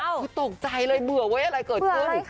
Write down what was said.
ฮ่าวววววกูตกใจเลยเบื่อว่ะอะไรเกิดขึ้น